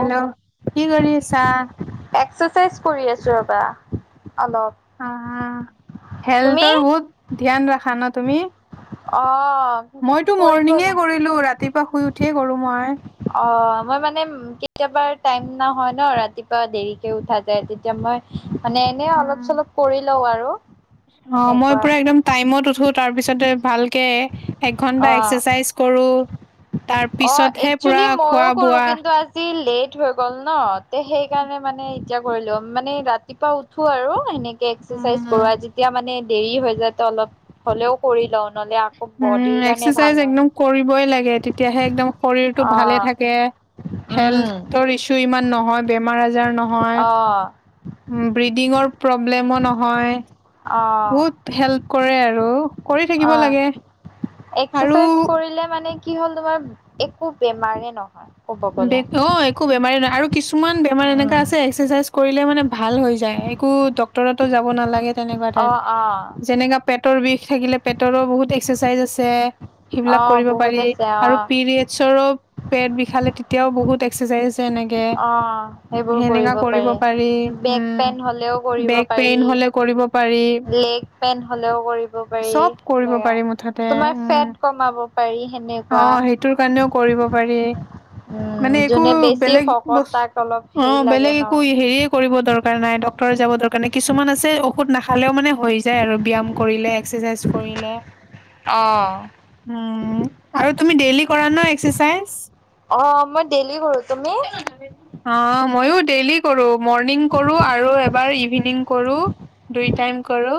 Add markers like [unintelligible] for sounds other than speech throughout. Hello কি কৰি আছা? ফেচ ৱাচ কৰি আছো ৰ'বা। অলপ অ' তুমি হেলথৰ বহুত ধ্যান ৰাখা ন তুমি। অ'। মইতো কৰিব মৰ্ণিঙে লা কৰিলো ৰাতিপুৱা শুই উঠিয়ে কৰো মই। অ' মই মানে কেতিয়াবা টাইম নহয় ন ৰাতিপুৱা দেৰিকে উঠা যায় তেতিয়া মই মানে এনে অলপ উম, চলপ কৰি লও আৰু। অ' মই এনেকুৱা পুৰা একম টাইমত উঠো তাৰ পিছতে ভালকে এক ঘন্ট অ এক্সাৰসাইজ কৰু। তাৰ অ' একচুৱেলি মইয়ো খোৱা কৰোঁ বোৱা। কিন্তু আজি লেট হৈ গ'ল ন তে সেইকাৰণে মানে নে এতিয়া কৰি লো মানে ৰাতিপুৱা উঠো আৰু এনেকে এক্সাৰসাইজ উম কৰো আৰু যেতিয়া মানে দেৰি হৈ যায় তো অলপ হ'লেও কৰি লওঁ। নহ'লে আকৌ উম বডিৰ কাৰণে ভাল এক্সাৰচাইজ নহয় একদম কৰিব লাগে তেতিয়াহে একদম শৰীৰতটো ভালে অ থাকে উম, হেল্থৰ ইছু ইমান নহয়। বেমাৰ আজাৰ নহয় অ', ব্ৰিডিঙৰ প্ৰব্লেমো নহয়। অ', বহুত হেল্প কৰে আৰু। কৰি থাকিব লাগে অ' আৰু এক্সাৰসাইজ কৰিলে মানে কি হ'ল তোমাৰ একো বেমাৰে নহয়। ক'ব গ'লে। অ' একো বেমাৰী নহয় আৰু কিছুমান বেমাৰ এনেকা উম, আছে এক্সাৰচাইজ কৰিলে মানে ভাল হৈ যায় একো ভক্তৰও যাব নালাগে তেনেকুৱা টাইপ অ', অ', যেনেকা পেতে পেটৰ বিষ থাকিলে পেটৰো বহুত এক্সাৰচাইজ আছে। সেইবিলাক অ', কৰিব পাৰি বহুত আছে আৰু অ', পিৰিয়েডছৰো পেট বিশালে বহুত এক্সাৰচাইজ তেনেকে সেনেকা কৰিব পাৰি বেক পেইন হ'লেও উম কৰিব বেক পাৰি, পেন হ'লে কৰিব পাৰি লেগ পেইন হ'লেও কৰিব পাৰি চব কৰিব সেনেকা। পাৰি মুঠতে তোমাৰ উম। ফেট কমাব পাৰি সেনেকুৱা, অ' সেইটোৰ কাৰণেও কৰিব পাৰি। উম, মানে একো যোনে বেছি বেলেগ শকত বস্তু তাক অলপ হেৰি অ' লাগে বেলেগ একো ন' হেৰিয়ে কৰিব দৰকাৰ নাই ডক্তৰে যাব দৰকাৰ নায় কিছুমান আছে ঔষধ নাখালেও মানে হৈ যায় আৰু ব্যায়াম কৰিলে এক্সাৰসাইজ কৰিলে অ', হম আৰু তুমি ডেইলি কৰা ন এক্সাৰসাইজ? অ', মই ডেইলি কৰোঁ, তুমি? অ' মইয়ো ডেইলি কৰো মৰ্ণিং কৰো আৰু এবাৰ ইভিনিং কৰো দুই টাইম কৰো।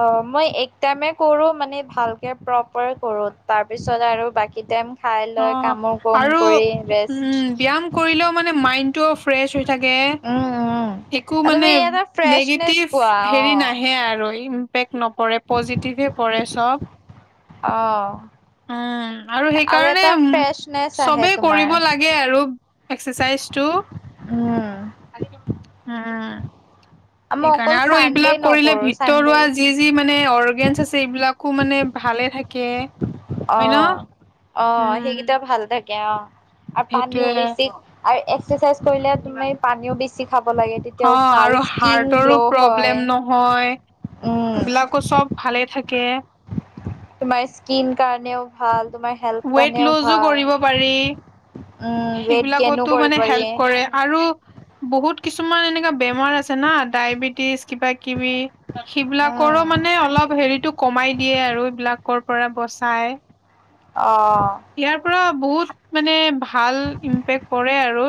অ' মই এক টাইমে কৰো মানে ভালকে প্ৰপাৰ কৰো তাৰপিছত আৰু বাকী টাইম খাই লৈ অ' কামৰ কম আৰু কৰি ৰেষ্ট উম ব্যায়াম কৰিলেও মানে মাইণ্ডটোও ফ্ৰেচ হৈ থাকে। উম, উম একো অ' মানে তুমি এটা ফ্ৰেচনেচ নেগেটিভ পোৱা অ'। কৰে পজিটিভে পৰে চব অ উম আৰু সেইকাৰণে এটা উ ফ্ৰেছনেছ [inaudible] আহে চবেই এক্সাৰচাইজ তোমাৰ কৰিব লাগে উম আ আ মই সেইকাৰণে অকল আৰু চানডে এইবিলাক কৰিলে নকৰো চানডে ভিতৰুৱা যি যি অৰ্গেনছ আছে এইবিলাকো ভালে থাকে। হয় ন? অ' অ' উম, সেইকেইটা ভাল থাকে অ'। আৰু পানীও সেইটোয়ে। বেছি, আৰু এক্সাৰচাইজ কৰিলে তুমি পানীও বেছি খাব লাগে তেতিয়াও অ', ভাল। আৰু স্কিন হাৰ্টৰো গ্ল' হয় প্ৰব্লেম নহয়, উম সিবিলাকো চব ভালে থাক কে-এ। তোমাৰ স্কিন কাৰণেও ভাল। তোমাৰ হেল্থ ৱেইট কাৰণেও লোজো ভাল কৰিব পাৰি। উম ৱেইট গেইনো সেইবিলাকতো কৰিব মানে পাৰি হেল্প কৰে আৰু বহুত কিছুমান এনেকুৱা বেমাৰ আছে না, ডায়বেটিছ, কিবা-কিবি গাখী বিিলাকৰো উম মানে অলপ হেৰিটো কমাই দিয়ে আৰু এইবলাকৰ পৰা বচাই। অ'- ইয়াৰ অ'। পৰা বহুত মানে ভাল ইম্পেক্ পৰে আৰু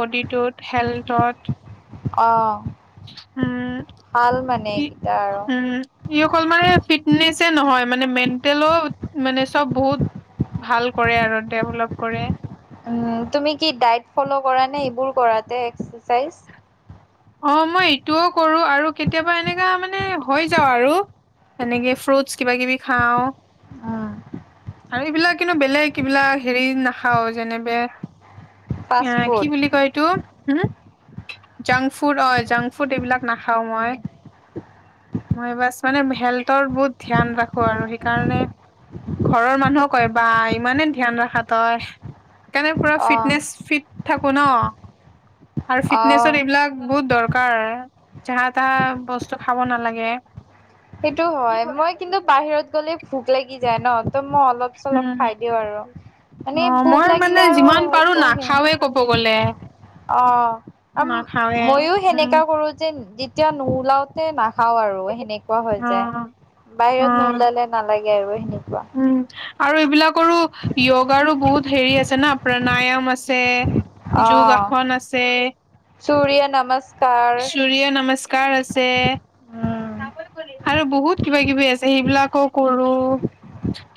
বডিটোত, হেল্থত। অ'-অ' উম ই এইকেইটা আৰু উম ই অকল মানে ফিটনেচ নহয় মানে মেণ্টেলো, মানে চব বহুত। ভাল কৰে আৰু ডেভলপ কৰে। উম তুমি কি ডায়ট ফ'ল' কৰা নে, এইবোৰ কৰা তে এক্সাৰচাইজ। অ' মই এইটোও কৰো আৰু কেতিয়াবা এনেকা মানে হৈ যাও আৰু। এনেকে ফ্ৰুটছ কিবা-কিবি খাওঁ। আহ্। আৰু এইবিলাক কিন্তু বেলেগ এইবিলাক হেৰি নাখাও যেনেবে ফাষ্ট এ ফুড কি বুলি কয় এইটো? হুম? জাংক ফুড অ' জাংক ফুড এইবিলাক। নাখাওঁ উম মই। মই বাছ মানে হেল্থৰ বহুত ধ্যান ৰাখো আৰু সেইকাৰণে ঘৰৰ মানুহও কয় বা ইমানে ধ্যান ৰখা তই। সেইকাৰণে পুৰা অ ফিটনেচ ফিট থাকো ন আৰু অ ফিটনেছত এইবিলাক বহুত দৰকাৰ যাহা, তাহা বস্তু খাব নালাগে। সেইটো হয়, মই কিন্তু বাহিৰত গ'লে ভোক লাগি যায় ন! তো মই অলপ চলপ উম। খাই দিওঁ আৰু। অ মানে মই ভোক মানে লাগিলে আৰু যিমান পাৰো একো সে নাখাওৱে ক'ব গ'লে অ অম নাখাওৱে মইও উম সেনেকা কৰো যে যেতিয়া নো ও লাওতে না খাও আৰু সেনেকুৱা হৈ অ যায়, অ বাহিৰত নোওলালে নালাগে আৰু এ সেনেকুৱা। উম আৰু এইবিলাকৰো য়োগাৰো বহুত হেৰি আছে না প্ৰাণায়াম আছে যোগাসন আছে সুৰয় নমস। সূৰয় নমস্কাৰ আছে। উম, আৰু বহুত কিবা কিবি আছে সেইবিলাকো কৰো।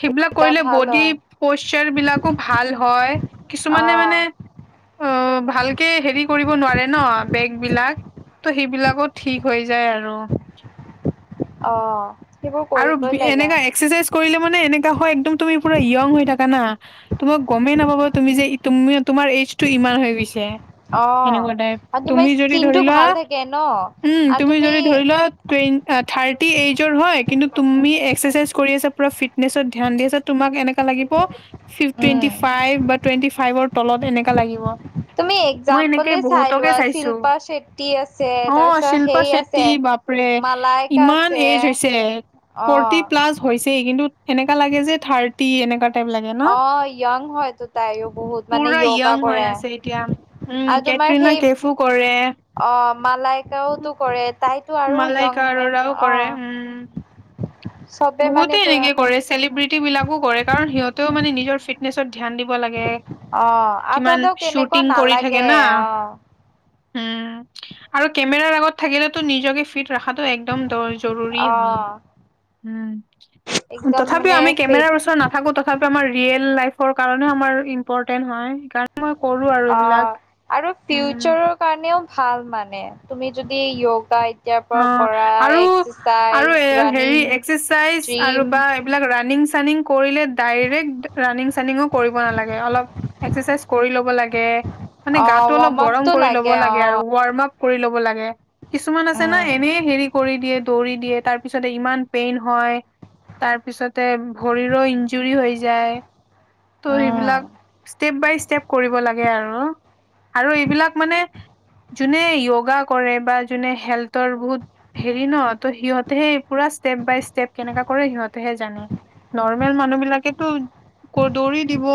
সেইবিলাক তেতিয়া কৰিলে ভাল বডি হয়। প'চাৰ বিলাকো ভাল হয় কিছুমানে অ', মানে অ' ভালকে হেৰি কৰিব নোৱাৰে ন', বেগ বিলাক। ত' সেইবিলাকো ঠিক হৈ যায় আৰু। অ'-অ'। আৰু এনেকা এক্সাৰচাইজ কৰিলে মানে, এনেকা হয় একদম তুমি পুৰা য়ং হৈ থাকা না, তোমাক গমেই নাপাব তুমি যে ই তুমি তোমাৰ এইজ টো ইমান হৈ গৈছে। অ'। সেনেকুৱা টাইপ। আৰু তোমাৰ তুমি যদি স্কিনটো ধৰি লোৱা, ভাল থাকে ন উম, তুমি যদি ধৰি লোৱা ট্ৰেইন আ। থাৰ্টি এইজৰ হয়। কিন্তু তুমি এক্সাৰচাইজ কৰি আছা, পুৰা ফিটনেছত ধ্যান দি আছা, তুমাক এনেকা লাগিব ফিফ টুৱেন্টি উম, ফাইভ, বা টুৱেন্টি ফাইভৰ তলত এনেকা লাগিব। তুমি মই এনেকে একজাম্পলে চাই বহুতকে লোৱা, চাইছোঁ। শিল্পা ছেত্ৰী আছে, অ তাৰ পিছত শিল্পা সেই চেত্ৰী আছে। বাপৰে, মালাইকা ইমান এইজ আছে হৈছে। অ ফৰ্টি প্লাছ হৈছেই, কিন্তু এনেকা লাগে যে থাৰ্টি এনেকা টাইম লাগে নহ, অ য়ং হয়তো তাইও বহুত মানে পুৰা য়োগা ইয়ং হৈ কৰে আছে এতিয়া, উম কেটৰিনা কেফু কৰে। অহ মালাইকাওতো কৰে, তাইতো আৰু মালাইকা ইয়ং‌ হয়, আৰোৰাও কৰে উম অহ বহুতে এনেকে কৰে, চেলিব্ৰিটি বিলাকো কৰে, কাৰণ কাৰণ সিহঁতেও মানে নিজৰ ফিটনেছত ধ্যান দিব লাগে। অ আৰু কিমান তহঁতক কেনেকুৱা শ্বুটিং কৰি থাকে নালাগে না? অ উম, আৰু কেমেৰাৰ আগত থাকিলেতো নিজকে ফিট ৰাখাটো একদম দৰ্জ জৰুৰী অ হয়। উম, একদম তথাপিও মানে আমি ফিট কেমেৰাৰ ওচৰত নাথাকোঁ, তথাপিও আমাৰ ৰিয়েল লাইফৰ কাৰণেও আমাৰ ইম্পৰ্টেণ্ট হয়, সেইকা অ', আৰু উম ফিউচাৰৰ কাৰণেও ভাল মানে, তুমি যদি য়োগা এতিয়াৰ পৰা অ', কৰা আৰু, আৰু এক্সাৰচাইজ এ, হেৰি ৰানিং এক্সেচাইজ আৰু জিম বা এইবিলাক ৰানিং চানিং কৰিলে ডাইৰেক্ট ৰাণিং চানিংঙো কৰিব নালাগে, অলপ এক্সেচাইজ কৰি ল'ব লাগে। মানে অ গাটো অলপ ৱাৰ্ম গৰম আপটো কৰি ল'ব লাগে অ আৰু ৱৰমাপ কৰি ল'ব লাগে কিছুমান আছে না, উম এনেই হেৰি কৰি দিয়ে দৌৰি দিয়ে তাৰপিছতে ইমান পেইন হয়, তাৰপিছতে ভৰিৰো ইনজুৰি হৈ যায়, ত' সেইবিলাক উম ষ্টেপ বাই ষ্টেপ কৰিব লাগে আৰু। আৰু এইবিলাক মানে যোনে য়গা কৰে বা যোনে হেল্থ তৰ বহুত হেৰি ন' ত' সিহঁতেহে পুৰা ষ্টেপ বাই ষ্টেপ কেনেকা কৰে, সিহঁতেহে জানে। নৰ্মেল মানুহ বিলাকেতো ক-দৌৰি দিব।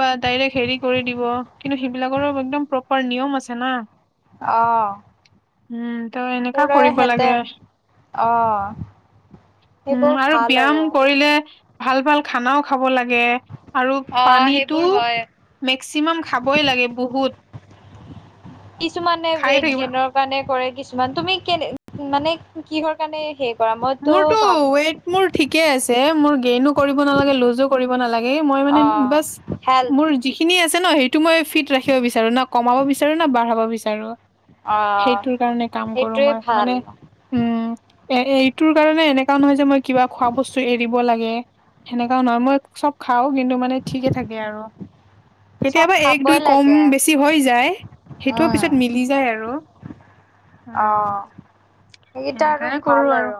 বা ডাইৰেক্ট হেৰি কৰি দিব, কিন্তু সেইবিলাকৰো একদম প্ৰপাৰ নিয়ম আছে না? অ'। উম। ত এনেকা পুৰা কৰিব সেহঁতে লাগে অ'। উম, সেইবোৰ আৰু ভাল ব্যায়াম কৰিলে ভাল, ভাল খানাও খাব লাগে। আৰু অ', পানীটো সেইবোৰ হয়। মেক্সিমাম খাবই লাগে বহুত। কিছুমানে খাই ৱেইট থাকিব গেইনৰ কাৰণে কৰে, কিছু তুমি কেনে মানে কিহৰ কাৰণে কৰা মইতো মোৰতো ভাবো ৱেইট মোৰ ঠিকে আছে মোৰ গেইনো কৰিব নালাগে লুজো কৰিব নালাগে ম অ', হেল্থ [unintelligible] ন সেইটো মই ফিট ৰাখিব বিচাৰো ন কমাব বিচাৰো না বাঢ়াব বিচাৰো অ', সেইটোৰ কাৰণে কাম কৰো সেইটোৱে মই ভাল। মানে উম এ এই তোৰ কাৰণে এনেকাও নহয় যে মই কিবা খোৱা বস্তু এৰিব লাগে সেনেকাও নহয় মই চব খাওঁ কিন্তু মানে ঠিকে থাকে আৰু চব কেতিয়াবা এক খাবই দুই কম লাগে বেছি হৈ যায় সেইটোও উম, পিছত মিলি যায় আৰু অ উম, সেইকেইটা আৰু সেনেকাই ভাল কৰো আৰু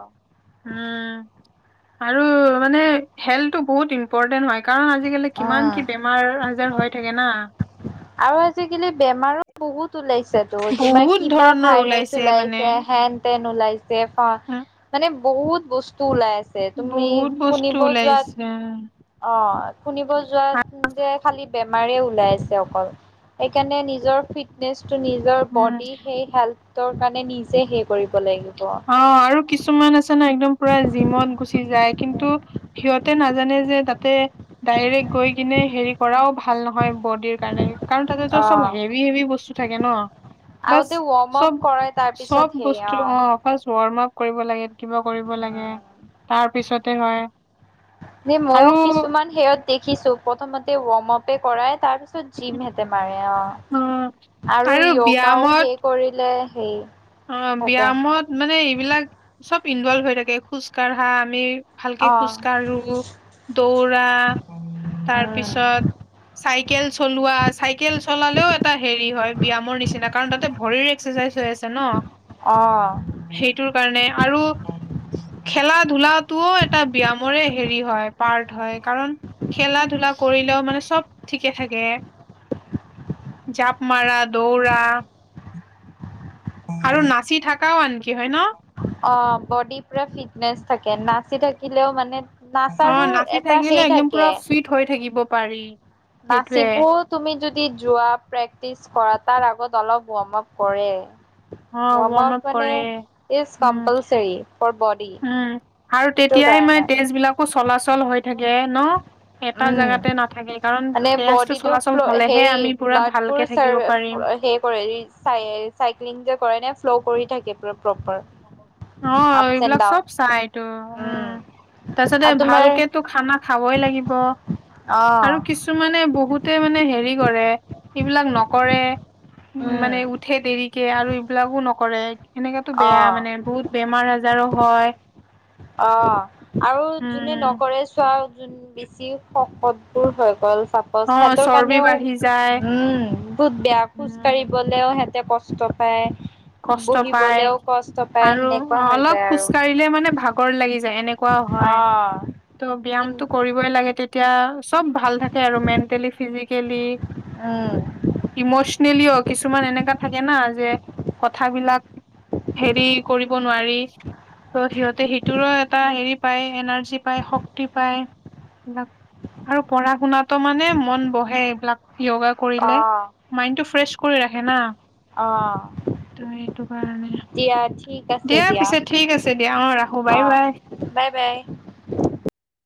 উম আৰু মানে হেল্থটো বহুত ইম্পৰ্টেন্ট হয় কাৰণ আজিকালি কিমান উম। কি বেমাৰ আজাৰ হৈ থাকে না আৰু আজিকালি বেমাৰো বহুত লাইছে তোমাৰ বহুত কিবা ধৰণৰ ভাইৰেছ মানে ওলাইছে হেণ্ তেন ওলাইছে উ মানে বহুত বস্তু ওলাইছে তুমি বহুত বস্তু শুনিব যোৱাত ওলাইছে উম অ', শুনিব যোৱাত যে খালি বেমাৰ ওলাই আছে অকল সেইকাৰণে নিজৰ ফিটনেছ নিজৰ বডি সেই হেল্থ কাৰণে নিজে সে কৰিব লাগিব অ', আৰু কিছুমান আছে না একদম পুৰা জিমত গুচি যায় কিন্তু সিহঁতে নাজানে যে তাতে ডাইৰেক্ট গৈ কিনে হেৰি কৰাও ভাল নহয় বডিৰ কাৰণে কাৰণ তাতেতো চব হেভি হেভি বস্তু থাকে ন বছ আগতে ৱৰ্ম আপ চব, কৰে তাৰপিছত চব সেই বস্তু অ', অফাৰ হ ওৰম আপ কৰিব লাগে উম তাৰ পিছত হে হয় নে মইও আৰু কিছুমান সেহত দেখিছো প্ৰথমতে ৱাৰ্ম আপে কৰাই তাৰ পিছত জিমহেতে মাৰে অ', আৰু য়োগাও সেই কৰিলে হেই অ', ব্যায়ামত মানে এইবিলাক চব ইনভলভ হৈ থাকে খোজ কঢ়া আমি ভালকে অ খোজকাঢ়ো দৌৰা তাৰ পিছত উম চাইকেল চলোৱা চাইকেল চলালেও টা হেৰি হয় ব্যায়ামৰ নিচিনা কাৰণ তাতে ভৰিৰ এক্সাৰচাইজ হৈ আছে ন অ সেইটোৰ কাৰণে আৰু খেলা ধূলাতটোও এটা ব্যায়াম হেৰি হয় পাৰ্ট হয় কাৰণ খেলা ধূলা কৰিলেও মানে চব ঠিকে থাকে জাঁপ মাৰা দৌৰা আৰু নাচি থাকও আনকি হয় ন অ', বডি পুৰা ফিটনেচ থাকে নাচি থাকিলেও মানে নাচাৰো অ', নাচি এটা থাকিলে সেই একদম পুৰা ফিট হৈ থাকিব পাৰি সেইটোয়ে নাচিব তুমি যদি যোৱা প্ৰেক্টিচ কৰা তাৰ আগত অলপ ৱ্ম আপ কৰে অ ৱ্ম ৱৰ্ম আপ মানে কৰে ই উম কম্পলচাৰি উম, আৰু তেতিয়াই মানে তেজ বিলাকো চলাচল হৈ থাকে ন এটা উম জোগাতে নাথাকে কাৰণ মানে তেজটো বডিটো চলাচল ফ্ল হলেহে আমি পুৰা ভালকে থাকিব পাৰিম সে কৰে চ চাইক্লিং যে কৰে নে ফ্ল' কৰি থাকে পুৰা প্ৰপাৰ অ', আপচ এণ্ড এইবিলাক ডাউন চব চাইটো উম তাৰপিছতে আৰু তোমাৰ ভালক তো খানা খাবই লাগিব অ আৰু কিছুমানে বহুতে মানে হেৰি কৰে এইবিলাক নকৰে উ উম মানে উঠে দেৰিকে আৰু এইবিলাকো নকৰে সেনেকাতো অ বেয়া মানে বহুত বেমাৰ আজাৰো হয় অ', আৰু যোনে উম নকৰে চোৱা যোন বেছি শকতবোৰ হৈ গ'ল চাপজ অ সিহঁতৰ চৰ্বি কাৰণেও বাঢ়ি যায় উম বহুত বেয়া খোজ উম কাঢ়িবলেওহ তা কষ্ট পায় কষ্ট পাই বহিবলেও কষ্ট পায় আৰু সেনেকুৱা হৈ অলপ যায় আৰু খোজকাঢ়িলে মানে ভাগৰ লাগি য যে এনেকুৱাও হয় ত' টো কৰিবই লাগে তেতিয়া চব ভাল থাকে আৰু মেণ্টেলি ফিজিক অ উম ইমচনেলিও কিছুমান এনেকা থাকে না যে কথা বিলাক হেৰি কৰিব নোৱাৰি ত' সিহঁতে সিটোৰো এটা হেৰি পায় এনাৰ্জি পায় শক্তি পায় এইবিলাক আৰু পঢ়া শুনাতো মানে মন বহে এইবিলাক য়োগা কৰিলে অ মাইণ্ড টো ফ্ৰেছ কৰি ৰাখে না অ', ত এইটো কাৰণে দিয়া ঠিক আছে দিয়া পিছে ঠিক আছে দিয়া অ ৰাখো বাই অ বাই বাই বাই